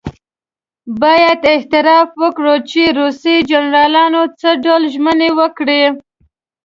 باید اعتراف وکړو چې روسي جنرالانو څه ډول ژمنې وکړې.